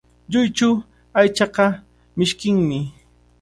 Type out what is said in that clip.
Lluychu aychaqa mishkinmi.